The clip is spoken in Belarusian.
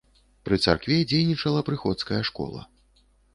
Пры царкве дзейнічала прыходская школа.